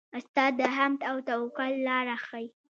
استاد د همت او توکل لاره ښيي.